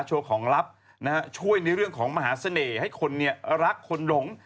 ของลับนะฮะช่วยในเรื่องของมหาเสน่ห์ให้คนรักคนหลง